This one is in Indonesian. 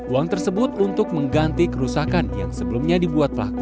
uang tersebut untuk mengganti kerusakan yang sebelumnya dibuat pelaku